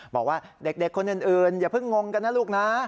บอกว่าเด็กคนอื่นอย่าเพิ่งงงกันนะลูกนะ